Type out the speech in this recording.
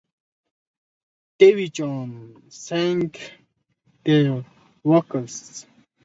Davy Jones sang the vocals.